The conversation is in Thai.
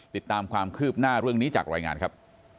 ติดตามความคืบหน้าเรื่องนี้จากรายงานครับ